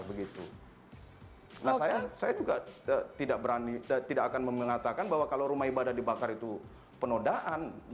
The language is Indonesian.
nah saya juga tidak berani tidak akan mengatakan bahwa kalau rumah ibadah dibakar itu penodaan